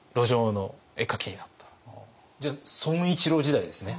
じゃあ損一郎時代ですね。